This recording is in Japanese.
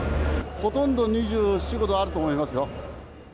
ほとんど２４、５度あると思いますよ。